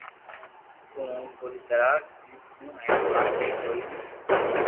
تو ھون پوري طرح گلت ھون ھين آ سھي ڪوئي نو